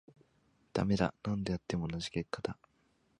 ダメだ、何度やっても同じ結果だ